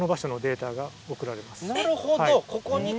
なるほど！